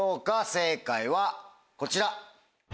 正解はこちら。